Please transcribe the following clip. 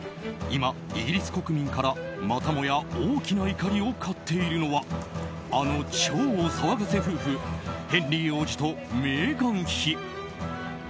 今イギリス国民から、またもや大きな怒りを買っているのはあの超お騒がせ夫婦ヘンリー王子とメーガン妃。